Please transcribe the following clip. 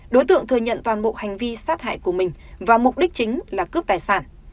đối tượng thừa nhận toàn bộ hành vi sát hại của mình và mục đích chính là cướp tài sản